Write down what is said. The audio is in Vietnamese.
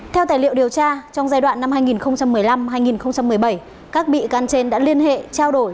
theo tài liệu điều tra trong giai đoạn năm hai nghìn một mươi năm hai nghìn một mươi bảy các bị can trên đã liên hệ trao đổi